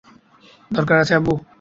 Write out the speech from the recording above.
দরকার আছে আব্বু!